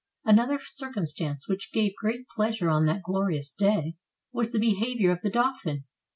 Another circumstance, which gave great pleasure on that glorious day, was the behavior of the dauphin.